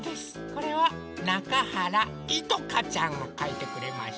これはなかはらいとかちゃんがかいてくれました。